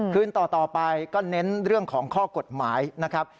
คืนต่อไปก็เน้นเรื่องของข้อกฎหมายนะครับ